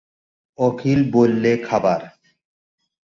অখিল বললে, খাবার।